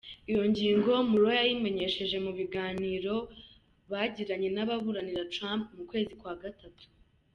Iyo ngingo Mueller yayimenyesheje mu biganiro bagiriraniye n'ababuranira Trump mu kwezi kwa gatatu.